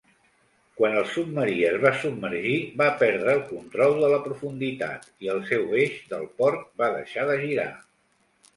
Quan el submarí es va submergir va perdre el control de la profunditat i el seu eix del port va deixar de girar.